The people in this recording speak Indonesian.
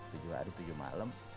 tujuh hari tujuh malem